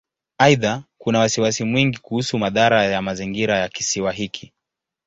Aidha, kuna wasiwasi mwingi kuhusu madhara ya mazingira ya Kisiwa hiki.